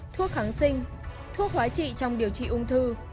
thuốc kháng sinh thuốc hóa trị trong điều trị ung thư